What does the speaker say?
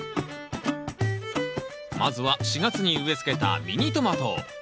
まずは４月に植えつけたミニトマト。